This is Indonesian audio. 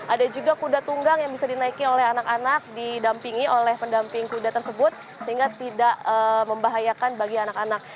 ada juga kuda tunggang yang bisa dinaiki oleh anak anak didampingi oleh pendamping kuda tersebut sehingga tidak membahayakan bagi anak anak